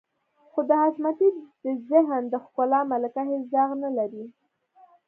خو د حشمتي د ذهن د ښکلا ملکه هېڅ داغ نه لري.